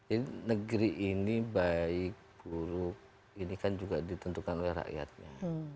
ini negeri ini baik buruk ini kan juga ditentukan oleh rakyatnya